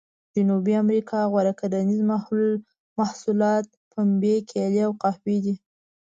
جنوبي امریکا غوره کرنیز محصولات پنبې، کېلې او قهوې دي.